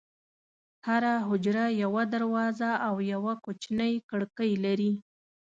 هره حجره یوه دروازه او یوه کوچنۍ کړکۍ لري.